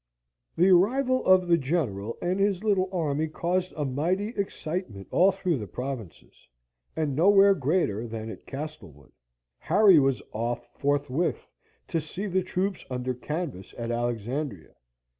The arrival of the General and his little army caused a mighty excitement all through the provinces, and nowhere greater than at Castlewood. Harry was off forthwith to see the troops under canvas at Alexandria.